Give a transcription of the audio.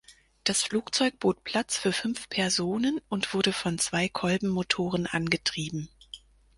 Das Flugzeug bot Platz für fünf Personen und wurde von zwei Kolbenmotoren angetrieben.